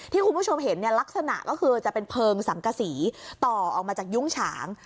คุณผู้ชมเห็นเนี่ยลักษณะก็คือจะเป็นเพลิงสังกษีต่อออกมาจากยุ้งฉาง